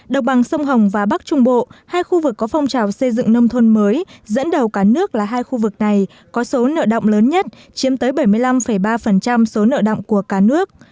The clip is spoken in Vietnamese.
đồng bằng sông hồng và bắc trung bộ hai khu vực có phong trào xây dựng nông thôn mới dẫn đầu cả nước là hai khu vực này có số nợ động lớn nhất chiếm tới bảy mươi năm ba số nợ động của cả nước